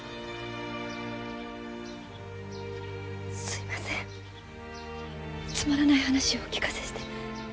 すいませんつまらない話をお聞かせして。